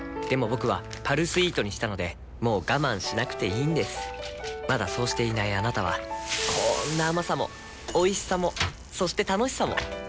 僕は「パルスイート」にしたのでもう我慢しなくていいんですまだそうしていないあなたはこんな甘さもおいしさもそして楽しさもあちっ。